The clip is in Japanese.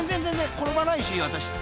転ばないし私って］